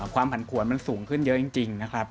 ความผันผวนมันสูงขึ้นเยอะจริงนะครับ